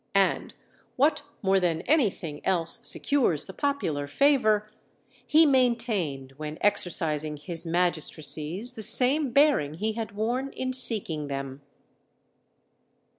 And, what more than anything else secures the popular favour, he maintained when exercising his magistracies the same bearing he had worn in seeking them.